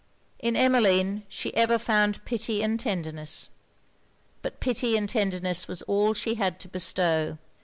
In Emmeline, she ever found pity and tenderness; but pity and tenderness was all she had to bestow.